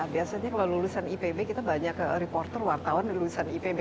biasanya kalau lulusan ipb kita banyak reporter wartawan lulusan ipb